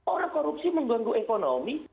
orang korupsi mengganggu ekonomi